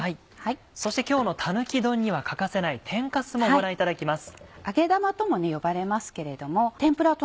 そして今日のたぬき丼には欠かせない天かすもご覧いただきます。